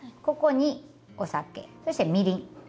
ここにお酒そしてみりん。